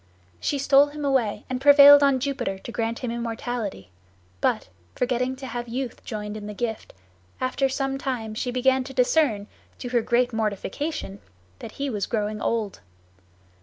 She stole him away, and prevailed on Jupiter to grant him immortality; but, forgetting to have youth joined in the gift, after some time she began to discern, to her great mortification, that he was growing old.